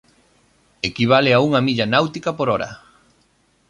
Equivale a unha milla náutica por hora.